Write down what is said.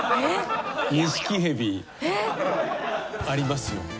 ありますよ。